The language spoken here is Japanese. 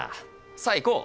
さあ行こう！